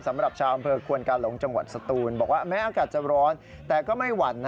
สำหรับชาวอำเภอควนกาหลงจังหวัดสตูนบอกว่าแม้อากาศจะร้อนแต่ก็ไม่หวั่นนะ